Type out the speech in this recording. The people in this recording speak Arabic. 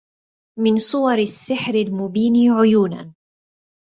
من صور السحر المبين عيونا